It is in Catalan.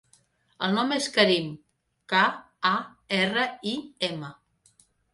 El nom és Karim: ca, a, erra, i, ema.